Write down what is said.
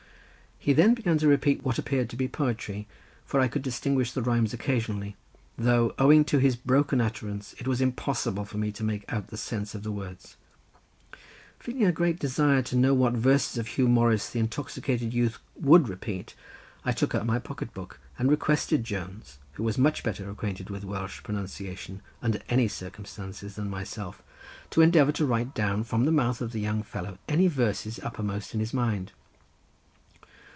He then began to repeat what appeared to be poetry, for I could distinguish the rhymes occasionally, though owing to his broken utterance it was impossible for me to make out the sense of the words. Feeling a great desire to know what verses of Huw Morris the intoxicated youth would repeat I took out my pocket book and requested Jones, who was much better acquainted with Welsh pronunciation, under any circumstances, than myself, to endeavour to write down from the mouth of the young fellow any verses uppermost in his mind.